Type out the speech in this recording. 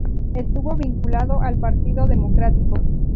Estuvo vinculado al Partido Democrático.